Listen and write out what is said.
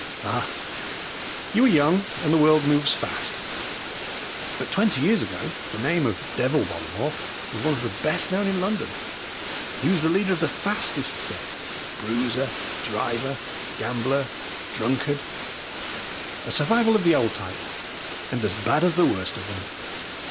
"Ah, you are young and the world moves fast, but twenty years ago the name of 'Devil' Bollamore was one of the best known in London. He was the leader of the fastest set, bruiser, driver, gambler, drunkard a survival of the old type, and as bad as the worst of them."